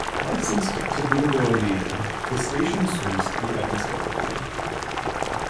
Licensed to Boonville, Indiana, the station serves the Evansville area.